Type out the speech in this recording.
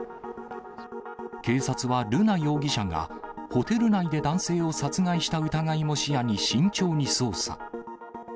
警察は瑠奈容疑者がホテル内で男性を殺害した疑いも視野に慎重に捜査。